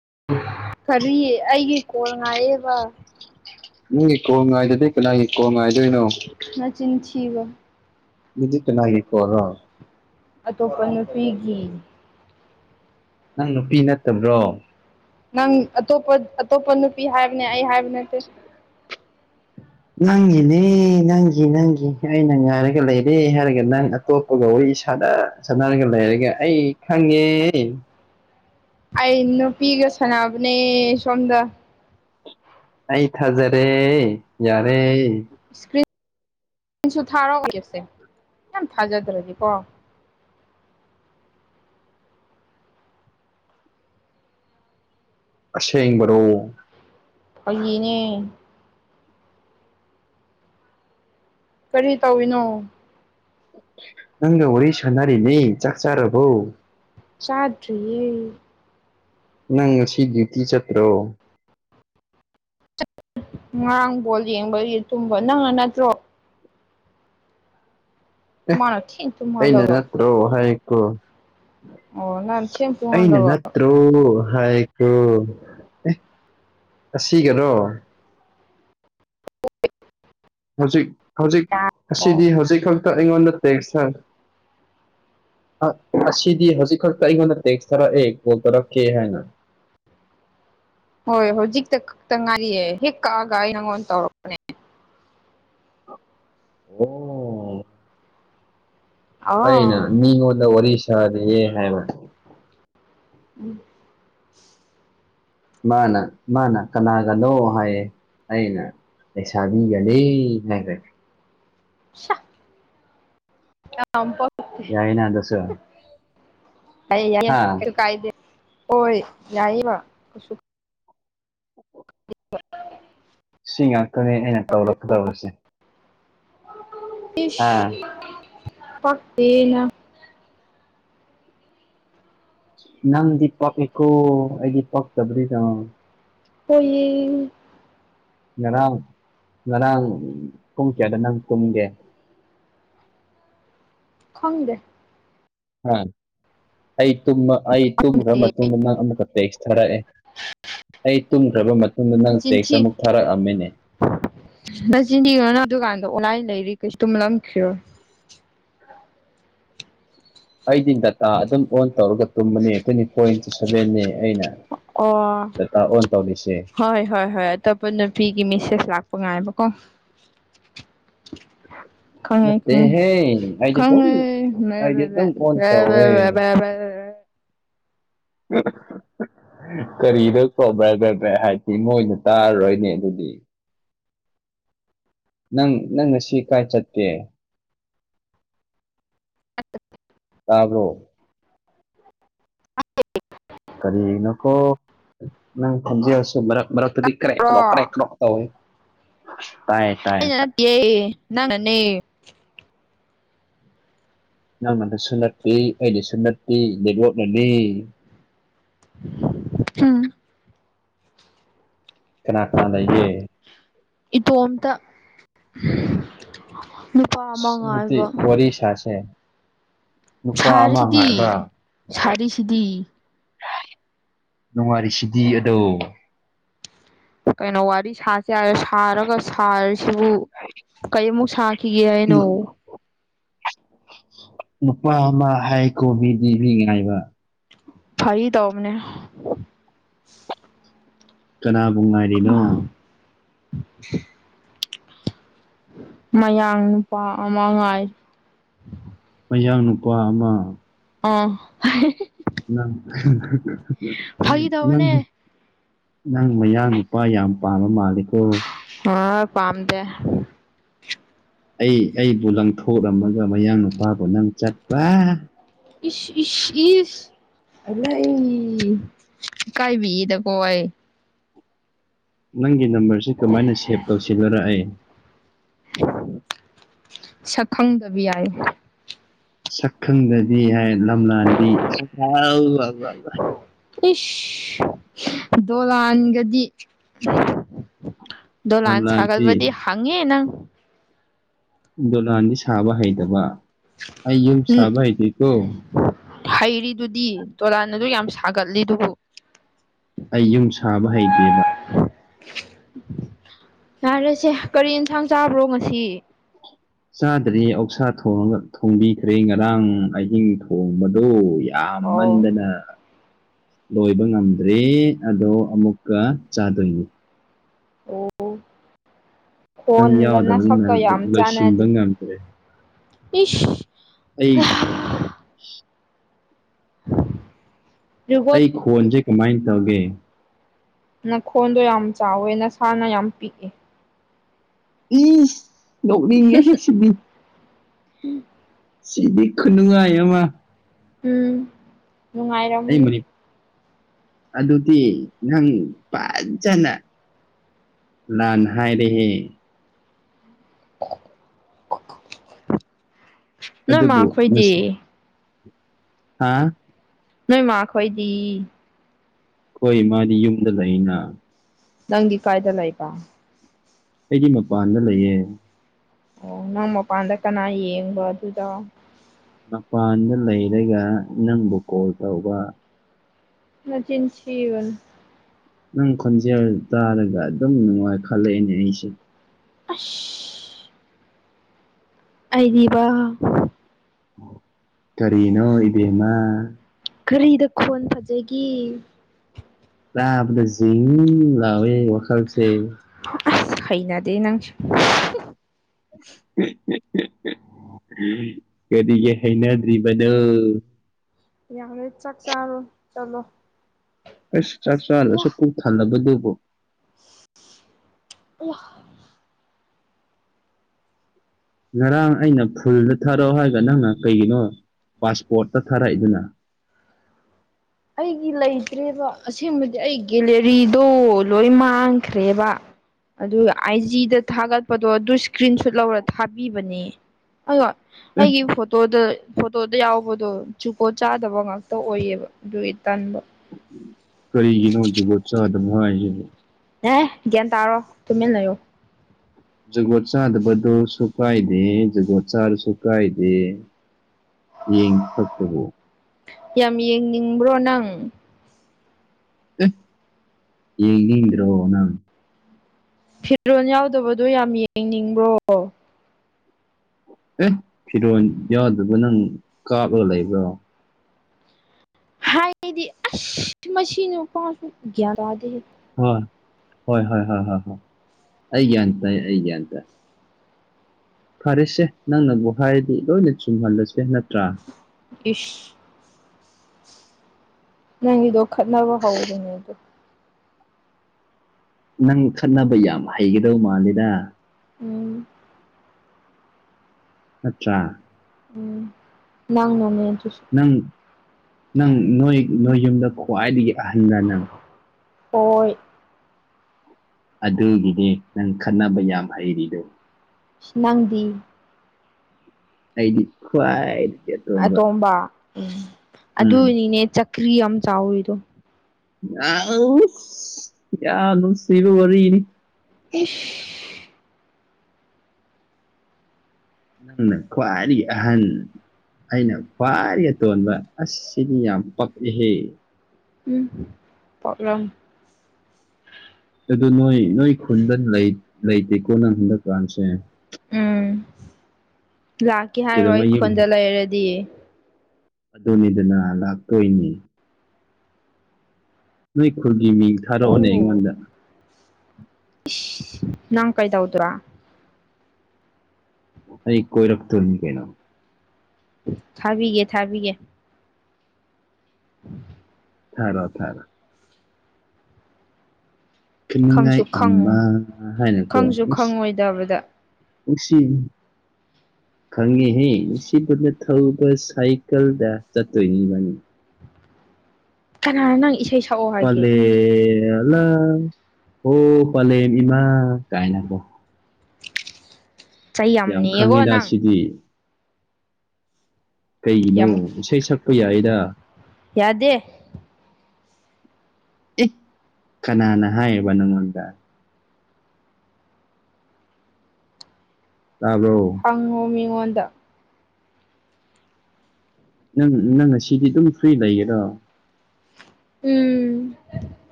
[unintelligible] ꯀꯔꯤꯌꯦ ꯑꯩꯒꯤ ꯀꯣꯜ ꯉꯥꯏꯌꯦꯕ ꯅꯪꯒꯤꯀꯣ ꯉꯥꯏꯗꯗꯤ ꯀꯅꯥꯒꯤ ꯀꯣ ꯉꯥꯏꯗꯣꯏꯅꯣ ꯖꯤꯕꯝ ꯃꯗꯤ ꯆꯅꯥꯒꯤ ꯀꯣꯔꯣ ꯑꯇꯣꯞꯄ ꯅꯨꯄꯤꯒꯤ ꯅꯪ ꯅꯨꯄꯤ ꯅꯠꯇꯕ꯭ꯔꯣ ꯅꯪ ꯑꯇꯣꯞꯄ ꯑꯇꯣꯞꯄ ꯅꯨꯄꯤ ꯍꯥꯏꯕꯅꯦ ꯑꯩ ꯍꯥꯏꯕ ꯅꯠꯇꯦ ꯅꯪꯒꯤꯅꯦ ꯅꯪꯒꯤ ꯅꯪꯒꯤ ꯑꯩꯅ ꯉꯥꯏꯔꯒ ꯂꯩꯔꯦ ꯍꯥꯏꯔꯒ ꯅꯪ ꯑꯇꯣꯞꯄꯒ ꯑꯣꯏ ꯑꯩ ꯏꯁꯥꯟꯅ ꯁꯠꯅꯔꯒ ꯂꯩꯔꯒ ꯑꯩ ꯈꯪꯉꯦ ꯑꯩ ꯅꯨꯄꯤꯒ ꯁꯥꯟꯅꯕꯅꯦ ꯁꯣꯝꯗ ꯑꯩ ꯊꯥꯖꯔꯦ ꯌꯥꯔꯦ ꯏꯁꯀ꯭ꯔꯤꯟ ꯅꯁꯨ ꯊꯥꯔꯣꯑꯣ ꯦꯞꯁꯦ ꯌꯥꯝ ꯊꯥꯖꯗ꯭ꯔꯗꯤꯀꯣ [unintelligible] ꯑꯁꯦꯡꯕꯔꯣ ꯑꯩꯒꯤꯅꯦ ꯀꯔꯤ ꯇꯧꯏꯅꯣ ꯅꯪꯒ ꯋꯥꯔꯤ ꯁꯥꯟꯅꯔꯤꯅꯦ ꯆꯥꯛ ꯆꯥꯔꯕꯧ ꯆꯥꯗ꯭ꯌꯦꯦ ꯅꯪ ꯉꯁꯤ ꯌꯣꯇꯤ ꯆꯠꯇ꯭ꯔ ꯉꯔꯥꯡ ꯕꯣꯜ ꯌꯦꯡꯕꯒꯤ ꯇꯨꯝꯕ ꯅꯪꯅ ꯅꯠꯇ꯭ꯔꯣ ꯃꯥꯅ ꯊꯦꯡ ꯑꯩꯅ ꯇꯨꯝꯍꯜꯂꯒ ꯅꯠꯇ꯭ꯔꯣ ꯍꯥꯏꯀꯣ ꯑꯣ ꯅꯪ ꯊꯦꯡ ꯑꯩꯅ ꯇꯨꯝꯍꯜꯂꯒ ꯅꯠꯇ꯭ꯔꯣ ꯀ ꯑꯁꯤ ꯀꯩꯅꯣ ꯍꯧꯖꯤꯛ ꯍꯧꯖꯤꯛ ꯑꯁꯤꯗꯤ ꯑꯣ ꯍꯧꯖꯤꯛ ꯈꯛꯇ ꯑꯩꯉꯣꯟꯗ ꯇꯦꯛꯁꯇ [unintelligible] ꯑꯁꯤꯗꯤ ꯍꯧꯖꯤꯛꯈꯛ ꯀꯔꯤꯉꯣꯟꯗ ꯇꯦꯛꯁ ꯊꯥꯔꯛꯑꯦ ꯀꯣꯜ ꯇꯧꯔꯛꯀꯦ ꯍꯥꯏꯅ [unintelligible] ꯍꯣꯏ ꯍꯧꯖꯤꯛꯇ ꯈꯛꯇ ꯉꯥꯏꯔꯤꯌꯦ ꯍꯦꯛ ꯀꯛꯑꯒ ꯑꯩ ꯅꯪꯉꯣꯟꯗ ꯇꯧꯔꯛꯄꯅꯦ ꯑꯣ ꯑ ꯑꯩꯅ ꯃꯤꯉꯣꯟꯗ ꯋꯥꯔꯤ ꯁꯥꯔꯤꯌꯦꯦ ꯍꯥꯏꯕ ꯎꯝ ꯃꯥꯅ ꯃꯥꯅ ꯀꯅꯥꯒꯅꯣ ꯍꯥꯏꯌꯦ ꯑꯩꯅ ꯑꯦꯁꯕꯤꯒ ꯂꯩꯦ ꯍꯥꯏ꯭ꯔꯦꯦ ꯁ ꯑ ꯌꯥꯏꯅ ꯇꯁ ꯌꯥ ꯀꯥꯏꯗ ꯍꯣꯏ ꯌꯥꯏꯕ ꯀꯁꯨ [unintelligible] ꯁꯤ ꯉꯥꯛꯇꯅꯦ ꯑꯩꯅ ꯇꯧꯔꯛꯀꯗꯧꯔꯁꯦ ꯏ ꯐꯅ ꯅꯪꯗꯤ ꯄꯛ ꯀꯣ ꯑꯩꯗꯤ ꯄꯥꯛ ꯇꯕ꯭ꯔꯗ ꯍ ꯉꯔꯥꯡ ꯉꯔꯥꯡ ꯀꯨꯝ ꯀꯦꯗ ꯅꯪ ꯀꯨꯝꯒꯦ ꯈꯪꯗꯦ ꯎꯝ ꯑꯩ ꯑꯩ ꯇꯨꯝꯈ꯭ꯔ ꯃꯇꯨꯡꯗ ꯅꯪ ꯑꯃꯨꯛꯀ ꯇꯦꯛꯁ ꯊꯥꯔꯛꯑꯦ ꯑꯩ ꯇꯨꯝꯈ꯭ꯔꯕ ꯃꯇꯨꯡꯗ ꯅꯪ ꯅꯆꯤꯟ ꯇꯦꯛꯁ ꯑꯃꯨꯛ ꯊꯥꯔꯛꯑꯝꯃꯤꯅꯦ ꯅꯤꯟꯗꯤꯣ ꯅ ꯑꯗꯨꯀꯥꯟꯗ ꯑꯣꯟꯂꯥꯏꯟ ꯂꯩꯔꯤ ꯀꯩꯁꯨ ꯇꯨꯝꯂꯝꯈꯤꯔꯣ ꯑꯩꯗꯤ ꯗꯇꯥ ꯑꯗꯨꯝ ꯑꯣꯟ ꯇꯧꯔꯒ ꯇꯨꯝꯕꯅꯦ ꯇ꯭ꯋꯦꯟꯇꯤ ꯐꯣꯔ ꯏꯟꯇꯨ ꯁꯕꯦꯟꯅꯦ ꯑꯩꯅ ꯑꯣ ꯗꯇꯥ ꯑꯣꯟ ꯇꯧꯔꯤꯁꯦ ꯍꯣꯏ ꯍꯣꯏ ꯍꯣꯏ ꯑꯇ ꯄꯨꯅꯄꯤꯤ ꯒꯤ ꯃꯦꯁꯦꯁ ꯂꯥꯛꯄ ꯉꯥꯏꯕꯀꯣ ꯈꯉꯦ ꯈꯉꯦ ꯅꯠꯇꯦꯍꯦ ꯑꯩꯗꯤ ꯑꯗꯨꯝ ꯑꯩꯗꯤ ꯈꯉꯦ ꯑꯗꯨꯝ ꯑꯣꯟ ꯇꯧꯋꯦ [unintelligible] ꯎ ꯀꯔꯤꯗ ꯇ꯭ꯔꯕꯒꯗ꯭ꯔꯦ ꯍꯥꯏꯗꯤ ꯃꯣꯏꯅ ꯇꯥꯔꯔꯣꯏꯅꯦ ꯑꯗꯨꯗꯤ ꯅꯪ ꯅꯪ ꯉꯁꯤ ꯀꯥꯏ ꯆꯠꯇꯦ ꯇꯥꯕ꯭ꯔꯣ ꯀꯔꯤꯅꯈꯣ ꯅꯪ ꯐꯖꯁꯨꯔ ꯃꯔ ꯊꯗꯤ ꯀ꯭ꯔꯦ ꯀ ꯔꯣ ꯂꯣ ꯀ꯭ꯔꯦꯀ ꯂꯣ ꯇ ꯑꯣꯏ ꯇꯤꯦ ꯅꯅꯥꯅꯦꯦ ꯅꯪ ꯅꯣꯟꯗꯁꯨ ꯅꯠꯇꯦ ꯑꯩꯗꯤꯁꯨ ꯅꯠꯇꯦ ꯂꯤ ꯂꯣꯠꯂꯅꯤ ꯎꯝ ꯀꯅꯥ ꯀꯅꯥ ꯂꯩꯌꯦ ꯏ ꯇꯣꯝꯇ ꯅꯨꯄꯥ ꯑꯁ ꯑꯃꯥꯡꯉ ꯑꯗꯨꯗꯤ ꯍꯥꯏꯜꯕ ꯋꯥꯔꯤ ꯁꯥꯁꯦ ꯅꯨꯄꯥ ꯑꯃ ꯉꯥꯏꯕ ꯁꯥꯔꯤꯁꯤꯗꯤ ꯅꯨꯡꯉꯥꯏꯔꯤꯁꯤꯗꯤ ꯑꯗꯣ ꯀꯩꯅ ꯋꯥꯔꯤ ꯋꯥꯔꯤ ꯁꯥ ꯌꯥꯔꯦ ꯁꯥꯔꯒ ꯁꯥꯔꯤꯁꯤꯕꯨ ꯀꯔꯤꯃꯨꯛ ꯁꯥꯈꯤꯒꯦ ꯍꯥꯏꯅꯣ ꯅꯨꯄꯥ ꯑꯃ ꯍꯥꯏ ꯀꯣꯕꯤ ꯗꯤꯕꯤ ꯉꯥꯏꯕ ꯐꯔꯤ ꯇ ꯑꯅꯦ ꯀꯅꯥꯕꯨ ꯉꯥꯏꯔꯤꯅꯣ [unintelligible] ꯃꯌꯥꯡ ꯅꯨꯄꯥ ꯑꯃꯥꯡꯉꯥꯏ ꯑꯌꯥꯡ ꯅꯨꯄꯥ ꯑꯃ ꯑ ꯐꯥꯒꯤ ꯪ ꯇꯧꯕꯅꯦ ꯅꯪ ꯃꯌꯥ ꯅꯨꯄꯥ ꯌꯥꯝ ꯄꯥꯝꯕ ꯃꯥꯜꯂꯤꯀꯣ ꯑ ꯄꯝꯗ ꯑꯩ ꯑꯩꯕꯨ ꯂꯪꯊꯣꯛꯑꯝꯃꯒ ꯃꯌꯥꯡ ꯅꯨꯄꯥꯕꯨ ꯅꯪ ꯆꯠꯄ ꯏ ꯏ ꯏ ꯑ ꯀꯥꯏ ꯕꯤꯗ ꯀꯣꯏ ꯅꯪꯒꯤ ꯅꯝꯕꯔꯁꯤ ꯀꯃꯥꯏꯅ ꯁꯦꯚ ꯇꯧꯁꯤꯜꯂꯣꯔꯛꯑꯦ ꯁꯛ ꯈꯪꯗꯕ ꯌꯥꯏ ꯁꯛꯈꯪꯗꯗꯤ ꯍꯥꯏ ꯂꯝꯂꯥꯟꯗꯤ ꯏꯁꯁ ꯗꯣꯂꯥꯟꯒꯗꯤ ꯗꯣ ꯂꯥꯟ ꯂꯝꯂꯥꯟꯗꯤ ꯁꯥꯒꯜꯕꯗꯤ ꯍꯪꯉꯦ ꯅꯪ ꯗꯣꯂꯥꯟꯗꯤ ꯁꯥꯕ ꯍꯩꯇꯕ ꯑꯩ ꯌꯨꯝ ꯎꯝ ꯁꯥꯕ ꯍꯩꯗꯣꯏꯀꯣ ꯍꯩꯔꯤꯗꯨꯗꯤ ꯇꯣꯂꯥꯟ ꯑꯗꯨ ꯌꯥꯝ ꯁꯥꯒꯠꯂꯤ ꯑꯗꯨꯕꯨ ꯑꯩ ꯌꯨꯝ ꯁꯥꯕ ꯍꯩꯇꯦꯕ ꯌꯥꯔꯁꯦ ꯀꯔꯤ ꯌꯦꯟꯁꯥꯡ ꯆꯥꯕ꯭ꯔꯣ ꯉꯁꯤ ꯆꯥꯗ꯭ꯔꯦ ꯑꯛꯁꯥ ꯊꯉ ꯊꯣꯡꯕꯤꯈ꯭ꯔꯦ ꯉꯔꯥꯡ ꯑꯍꯤꯡ ꯊꯣꯡꯕꯗꯣ ꯑꯣ ꯌꯥꯝꯃꯟꯗꯅ ꯂꯣꯏꯕ ꯉꯝꯗ꯭ꯔꯦ ꯑꯗꯣ ꯑꯃꯨꯛꯀ ꯆꯥꯗꯣꯏꯅꯤ ꯑꯣ ꯅꯪ ꯐꯣꯟꯒꯅ ꯌꯥꯎꯗꯕꯅꯤꯅ ꯁꯀ ꯌꯥꯝ ꯆꯅꯗꯤ ꯂꯣꯏꯁꯤꯟꯕ ꯉꯝꯗ꯭ꯔꯦ ꯏ ꯑꯩ ꯑꯩ ꯖꯨꯒꯣꯠ ꯈꯣꯟꯁꯦ ꯀꯃꯥꯏꯅ ꯇꯧꯒꯦ ꯅꯈꯣꯟꯗꯣ ꯌꯥꯝ ꯆꯥꯎꯋꯦ ꯅꯁꯥꯅ ꯌꯥꯝ ꯄꯤꯛꯏꯦ ꯏ ꯅꯣꯛꯅꯤꯡꯉꯦ ꯁꯤꯗꯤ ꯎꯝ ꯁꯤꯗꯤ ꯀꯅꯅꯨꯡꯉꯃ ꯎꯝ ꯅꯨꯡꯉꯥꯏꯔꯣꯃꯅꯤ ꯃꯅꯤ ꯑꯗꯨꯗꯤ ꯅꯪ ꯐꯖꯅ ꯂ ꯅꯍꯥꯏꯔꯦ ꯅꯣꯏꯃꯥ ꯑꯗꯨꯗꯕꯨꯣ ꯈꯣꯏꯗꯤ ꯅꯁꯤ ꯍꯥꯥ ꯅꯣꯏ ꯃꯥ ꯈꯣꯏꯗꯤ ꯍꯣꯏ ꯃꯥꯗꯤ ꯌꯨꯝꯗ ꯂꯩꯅ ꯅꯪ ꯀꯥꯏꯗꯂꯥꯏꯇ ꯑꯩꯒꯤ ꯃꯄꯥꯟꯗ ꯂꯩꯌꯦ ꯑꯣ ꯅꯪ ꯃꯄꯥꯟꯗ ꯀꯅꯥ ꯌꯦꯡꯕ ꯑꯗꯨꯗ ꯃꯄꯥꯟꯗ ꯂꯩꯔꯒ ꯅꯪꯕꯨ ꯀꯣꯜ ꯇꯧꯕ ꯃꯆꯤꯟꯁꯤꯕꯟ ꯅꯪ ꯈꯣꯟꯖꯦꯜ ꯇꯥꯔꯒ ꯑꯗꯨꯝ ꯅꯨꯡꯉꯥꯏ ꯈꯜꯂꯛꯑꯦꯅꯦ ꯑꯩꯁꯦ ꯑꯁ ꯑꯩꯗꯤꯕ ꯀꯔꯤꯅꯣ ꯏꯦꯃ ꯀꯔꯤꯗ ꯈꯣꯟ ꯐꯖꯒꯤ ꯂꯗ ꯖ ꯂꯋꯦ ꯋꯥꯈꯔꯁ ꯑ ꯍꯩꯅꯗꯤꯦ ꯅꯪꯁ ꯀꯔꯤꯒ ꯍꯩꯅꯗ꯭ꯔꯤꯕꯅꯣ ꯌꯥꯔꯦ ꯆꯥꯛ ꯆꯥꯔꯣ ꯆꯠꯂꯣ ꯑꯩꯁ ꯆꯞ ꯆꯥꯂ ꯑꯌꯥ ꯁꯀꯨ ꯊꯜꯂꯒꯗꯧꯕꯣ ꯋꯥ ꯉꯔꯥꯡ ꯑꯩꯅ ꯐꯨꯜꯗ ꯊꯥꯔꯛꯑꯣ ꯍꯥꯏꯒ ꯅꯪꯅ ꯀꯩꯒꯤꯅꯣ ꯄꯥꯁꯄꯣꯔꯠꯇ ꯊꯥꯔꯛꯏꯗꯨꯅ [unintelligible] ꯑꯩꯒꯤ ꯂꯩꯇ꯭ꯔꯦꯕ ꯑꯁꯦꯡꯕꯗꯤ ꯑꯩ ꯒꯦꯂꯔꯤꯗꯣ ꯂꯣꯏ ꯃꯥꯡꯈ꯭ꯔꯦꯕ ꯑꯗꯨ ꯑꯖꯤꯗ ꯊꯠꯄꯗꯨꯣ ꯑꯗꯨ ꯏꯁꯀ꯭ꯔꯤꯟ ꯁꯨꯠ ꯂꯧꯔ ꯊꯥꯕꯤꯕꯅꯤ ꯑꯣ ꯑꯦ ꯑꯩꯒꯤ ꯐꯣꯇꯣꯗ ꯐꯣꯇꯣꯗ ꯌꯥꯎꯕꯗꯣ ꯆꯨꯀꯣ ꯆꯥꯗꯕ ꯉꯥꯛꯇ ꯑꯣꯏꯌꯦꯕ ꯑꯗꯨꯒꯤ ꯇꯟꯗ ꯀꯔꯤꯒꯤꯅꯣ ꯍꯧꯁꯨꯨꯕꯠ ꯆꯥ ꯑꯗꯨꯅꯨꯡꯉꯥꯏ ꯑꯦ ꯒ꯭ꯌꯥꯟ ꯇꯥꯔꯣ ꯇꯨꯝꯃꯤꯟꯅ ꯂꯩꯔꯣ ꯖꯒꯣ ꯆꯥꯗ ꯗꯨꯣ ꯁꯨꯀꯥꯏꯗꯦ ꯖꯒꯣ ꯆꯗ ꯁꯨꯀꯥꯏ ꯗꯦ ꯌꯦ ꯏ ꯁꯛꯇꯕꯨ ꯌꯥꯝ ꯌꯦꯡꯅꯤꯡꯕ꯭ꯔꯣ ꯅꯪ ꯌꯦ ꯀ꯭ꯔꯣꯅ ꯐꯤꯔꯣꯜ ꯌꯥꯎꯗꯕꯗꯣ ꯌꯥꯝ ꯌꯦꯡꯅꯤꯡꯕ꯭ꯔꯣ ꯑꯦ ꯐꯤꯔꯣꯜ ꯌꯥꯗꯕ ꯅꯪ ꯀꯥꯞꯂꯒ ꯂꯩꯕ꯭ꯔꯣ ꯍꯥꯏꯗꯤ ꯑ ꯃ ꯀꯒꯗ ꯍꯣꯏ ꯍꯣꯏ ꯍꯣꯏ ꯍꯣꯏ ꯍꯣꯏ ꯍꯣꯏ ꯑꯩ ꯒ꯭ꯌꯥꯟ ꯇꯥꯏ ꯑꯩ ꯒ꯭ꯌꯥꯟ ꯇꯥꯏ ꯐꯔꯁꯦ ꯅꯪꯅꯕꯨ ꯍꯥꯏꯔꯗꯤ ꯂꯣꯏꯅ ꯆꯨꯝꯍꯜꯂꯁꯦ ꯅꯠꯇ꯭ꯔꯥ ꯏ ꯅꯪꯒꯤꯗꯣ ꯈꯠꯅꯕ ꯍꯧꯕꯅꯦꯗꯣ ꯅꯪ ꯈꯠꯅꯕ ꯌꯥꯝ ꯍꯩꯒꯗꯧ ꯃꯥꯜꯂꯤꯗ ꯎꯝ ꯑꯆꯥ ꯎꯝ ꯅꯪꯅꯅꯦ ꯑꯗꯨꯁꯨ ꯅꯪ ꯅꯪ ꯅꯣꯏ ꯅꯣꯏ ꯌꯨꯝꯗ ꯈ꯭ꯋꯥꯏꯗꯒꯤ ꯑꯍꯟꯒ ꯅꯪ ꯑꯣꯏꯣꯏ ꯑꯗꯨꯒꯤꯅꯦ ꯅꯪ ꯈꯟꯅꯕ ꯌꯥꯝ ꯍꯩꯔꯤꯗꯨꯣ ꯁ ꯅꯪꯗꯤ ꯑꯩꯗꯤ ꯈ꯭ꯋꯥꯏ ꯑꯇꯣꯝꯕ ꯎꯝ ꯎꯝ ꯑꯗꯨꯅꯤꯅꯦ ꯆꯀ꯭ꯔꯤ ꯌꯥꯝ ꯆꯥꯎꯔꯤꯗꯣ ꯌꯥꯎ ꯌꯥꯨ ꯁꯤꯔ ꯋꯥꯔꯤꯅꯤ ꯄꯁ ꯅꯪ ꯅ ꯈ꯭ꯋꯥꯔꯤ ꯑꯍꯟ ꯑꯩꯅ ꯔꯤ ꯑꯇꯣꯟꯕ ꯑꯁꯤꯗꯤ ꯌꯥꯝ ꯄꯛꯏꯍꯦ ꯎꯝ ꯄꯣꯛꯂꯝ ꯑꯗꯨ ꯅꯣꯏ ꯅꯣꯏ ꯈꯨꯟꯗ ꯂꯩꯇꯦꯀꯣ ꯅꯪ ꯍꯟꯗꯛꯀꯥꯟꯁꯦ ꯎꯝ ꯂꯥꯛꯀꯦ ꯍꯥꯏꯔꯣ ꯑꯩ ꯀꯩꯗꯧꯉꯩ ꯌꯨꯝ ꯈꯨꯣꯟꯗ ꯂꯩꯔꯗꯤ ꯑꯗꯨꯅꯤꯗꯅ ꯂꯥꯛꯇꯣꯏꯅꯤ ꯅꯣꯏ ꯈꯨꯨꯔꯒꯤ ꯃꯤ ꯊꯥꯔꯛꯑꯣꯅꯦ ꯑꯣ ꯑꯩꯉꯣꯟꯗ ꯅꯪ ꯀꯩꯗꯎꯗ꯭ꯔꯥ ꯑꯩ ꯀꯣꯏ ꯔꯛꯇꯛꯇꯅꯤ ꯀꯩꯅꯅ ꯊꯥꯕꯤꯒꯦ ꯊꯥꯕꯤꯒꯦ ꯎ ꯊꯔ ꯊꯔ ꯀꯤꯉꯥꯏ ꯈꯪꯁꯨ ꯑꯃ ꯈꯪꯉꯨ ꯍꯥꯏꯅꯀꯣ ꯈꯪꯁꯨ ꯃꯤꯁ ꯈꯪꯉꯣꯏꯗꯕꯗ ꯑꯣꯁꯤ [unintelligible] ꯈꯪꯉꯤꯍꯦ ꯁꯤꯕꯅ ꯊꯧꯕ ꯁꯥꯏꯀꯜꯗ ꯆꯠꯇꯣꯏꯅꯤ ꯃꯅꯤ ꯀꯅꯥꯅꯣ ꯅꯪ ꯏꯁꯩ ꯁꯛꯑꯣ ꯍꯥꯏꯒꯦ ꯐꯂꯦ ꯂ ꯍꯣ ꯄꯂꯦꯝꯃ ꯏꯃꯥ ꯀꯥꯏ ꯂꯥꯛꯀꯣ ꯆꯩ ꯌꯥꯝ ꯅꯤꯌꯦꯀꯣ ꯈꯪꯉꯤꯗ ꯅꯪ ꯁꯤꯗꯤ ꯀꯩꯒꯤꯅꯣ ꯌꯥꯝ ꯏꯁꯩ ꯁꯛꯄ ꯌꯥꯏꯗ ꯌꯥꯗꯦ ꯏ ꯀꯅꯥꯅ ꯍꯥꯏꯌꯦꯕ ꯅꯪꯉꯣꯟꯗ ꯇꯥꯕꯣ ꯍꯉꯗ ꯅꯪ ꯅꯪ ꯉꯁꯤꯗꯤ ꯑꯗꯨꯝ ꯐ꯭ꯔꯤ ꯂꯩꯒꯦꯔꯣ ꯎꯝ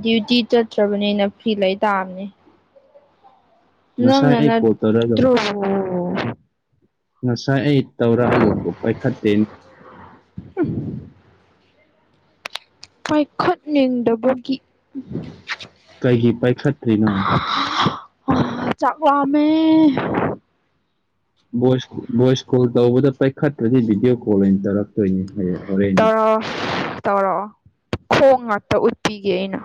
ꯗ꯭ꯌꯨꯇꯤ ꯆꯠꯇ꯭ꯔꯕꯅꯤꯅ ꯐ꯭ꯤ ꯂꯩ ꯇꯥꯕꯅꯦ ꯉꯁꯥꯏ ꯑꯩ ꯀꯣꯠꯇꯧꯔꯗ ꯅꯠꯇ꯭ꯔꯣ ꯉꯁꯥꯏ ꯑꯩ ꯇꯧꯔꯛꯑꯒ ꯄꯥꯏꯈꯠꯇꯦꯅꯤ ꯄꯥꯏꯈꯠꯅꯤꯡꯗꯕꯒꯤ ꯀꯩꯒꯤ ꯄꯥꯏꯈꯠꯇ꯭ꯔꯤꯅꯣ ꯑ ꯆ ꯑꯃ ꯚꯣꯏꯁ ꯚꯣꯏꯁ ꯀꯣꯜ ꯇꯧꯕꯗ ꯄꯥꯏꯈꯠꯇ꯭ꯔꯗꯤ ꯚꯤꯗꯤꯑꯣ ꯀꯣꯜ ꯑꯣꯏꯅ ꯇꯧꯔꯛ ꯇꯧꯔꯛꯑꯣ ꯇꯧꯔꯛꯑꯣ ꯈꯣ ꯉꯥꯛꯇ ꯎꯠꯄꯤꯒꯦ ꯑꯩꯅ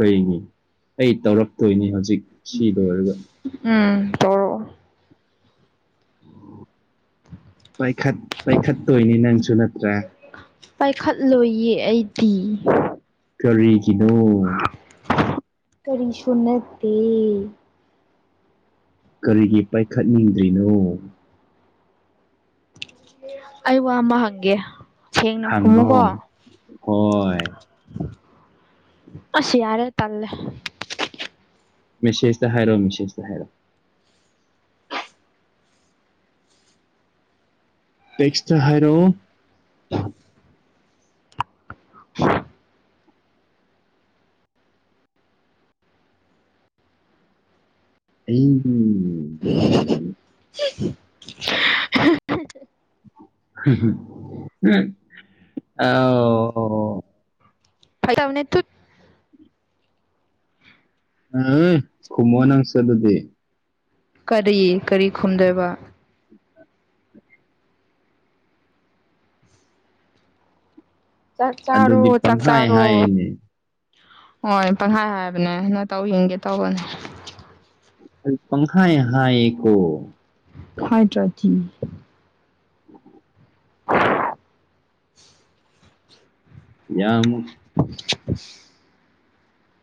ꯀꯩꯅꯤ ꯑꯩ ꯇꯧꯔꯛꯇꯣꯏꯅꯤ ꯍꯧꯖꯤꯛ ꯁꯤ ꯂꯣꯏꯔꯒ ꯇꯣꯔꯛꯑꯣ ꯄꯥꯏꯈꯠ ꯄꯥꯏꯈꯠꯇꯣꯏꯅꯤ ꯅꯪꯁꯨ ꯅꯠꯇ꯭ꯔꯦ ꯄꯥꯏꯈꯠꯂꯣꯏꯌꯦ ꯑꯩꯗꯤ ꯀꯔꯤ ꯒꯤꯅꯣ ꯀꯔꯤꯁꯨ ꯅꯠꯇꯦ ꯀꯔꯤꯒꯤ ꯄꯥꯏꯈꯠꯅꯤꯡꯗ꯭ꯔꯤꯅꯣ ꯑꯩ ꯋꯥ ꯑꯃ ꯍꯪꯒꯦ ꯁꯦꯡꯅ ꯈꯨꯝꯃꯨꯀꯣ ꯍꯪꯉꯣ ꯍꯣꯏ ꯑꯁ ꯌꯥꯔꯦ ꯇꯜꯂꯦ ꯃꯦꯁꯦꯁꯇ ꯍꯥꯏꯔꯣ ꯃꯦꯁꯦꯁꯇ ꯍꯥꯏꯔꯣ ꯇꯦꯛꯁꯇ ꯍꯥꯏꯔꯣ ꯑꯌꯤꯡꯕꯤ [unintelligible] [unintelligible] ꯑꯣ ꯐꯒꯤ ꯇꯧꯕꯅꯦ ꯇꯨꯠ [unintelligible] ꯈꯨꯝꯃꯣꯅꯪꯁꯦ ꯑꯗꯨꯗꯤ ꯀꯔꯤ ꯀꯔꯤ ꯈꯨꯝꯗꯣꯏꯕ ꯆꯥꯛ ꯆꯔꯣ ꯑꯗꯨꯗꯤ ꯆꯥꯛ ꯄꯪꯍꯥꯏ ꯆꯔꯣ ꯍꯥꯏꯅꯦ ꯍꯣꯏ ꯄꯪꯈꯥꯏ ꯍꯥꯏꯕꯅꯦ ꯅꯇꯧ ꯌꯦꯡꯒꯦ ꯇꯧꯕꯅꯦ ꯄꯪꯍꯥꯏ ꯍꯥꯏꯌꯦꯀꯣ ꯍꯥꯏꯗ꯭ꯔꯥꯗꯤ [unintelligible] ꯌꯥꯝ [unintelligible]